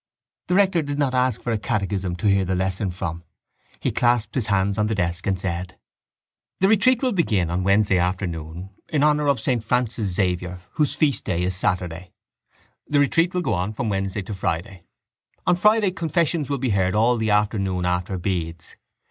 The rector did not ask for a catechism to hear the lesson from. He clasped his hands on the desk and said: —The retreat will begin on Wednesday afternoon in honour of saint Francis Xavier whose feast day is Saturday. The retreat will go on from Wednesday to Friday. On Friday confession will be heard all the afternoon after beads.